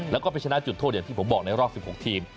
แล้วก็ไปชนะจุดโทษอย่างที่ผมบอกในรอบ๑๖ทีม